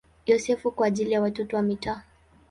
Yosefu" kwa ajili ya watoto wa mitaani.